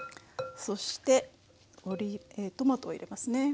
そしてトマトを入れますね。